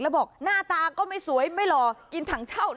แล้วบอกหน้าตาก็ไม่สวยไม่หล่อกินถังเช่า